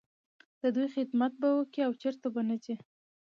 د دوی خدمت به کوې او چرته به نه ځې.